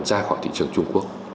ra khỏi thị trường trung quốc